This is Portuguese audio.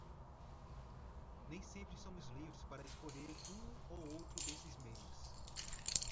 Nem sempre somos livres para escolher um ou outro desses meios.